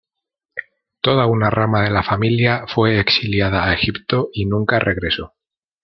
Toda una rama de la familia fue exiliada a Egipto y nunca regresó.